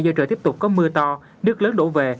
do trời tiếp tục có mưa to nước lớn đổ về